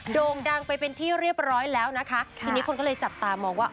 โด่งดังไปเป็นที่เรียบร้อยแล้วนะคะทีนี้คนก็เลยจับตามองว่า